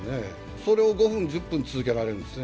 それを５分、１０分続けられるんですね。